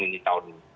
ini tahun ini